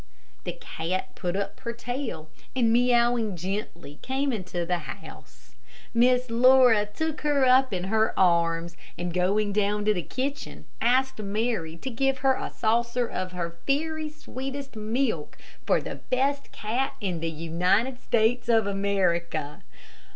The cat put up her tail, and, meowing gently, came into the house. Miss Laura took her up in her arms, and going down to the kitchen, asked Mary to give her a saucer of her very sweetest milk for the best cat in the United States of America.